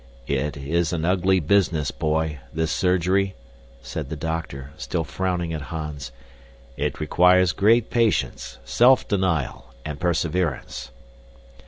"It is an ugly business, boy, this surgery," said the doctor, still frowning at Hans. "It requires great patience, self denial, and perseverance."